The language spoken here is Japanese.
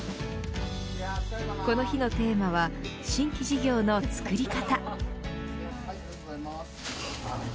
この日のテーマは新規事業のつくり方。